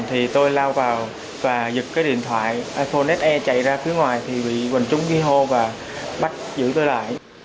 thì tôi lao vào và giật cái điện thoại iphoneed e chạy ra phía ngoài thì bị quần chúng ghi hô và bắt giữ tôi lại